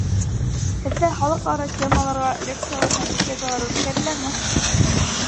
Һеҙҙә халыҡ-ара темаларға лекциялар һәм беседалар үткәреләме?